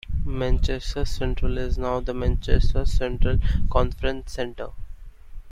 Manchester Central is now the Manchester Central Conference Centre.